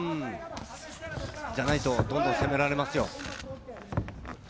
じゃないと、どんどん攻められますよ。